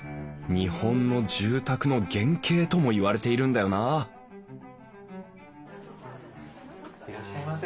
日本の住宅の原型とも言われているんだよないらっしゃいませ。